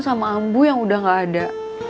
sama ambu yang udah gak ada